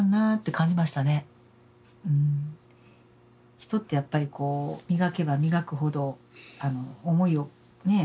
人ってやっぱりこう磨けば磨くほどあの思いをねえ